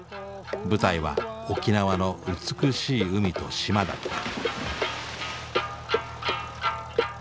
舞台は沖縄の美しい海と島だった。